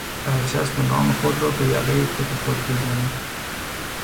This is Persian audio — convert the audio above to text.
برچسب نام خود را به یقهی کت خود بزنید.